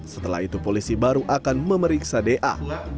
setelah itu polisi baru akan memeriksa da